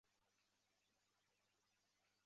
没有一个提出的候选人称为结婚对象。